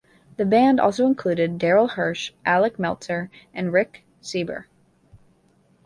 The band also included Daryl Hirsch, Alec Meltzer, and Rick Sieber.